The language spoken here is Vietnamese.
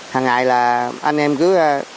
hằng ngày là anh em cứ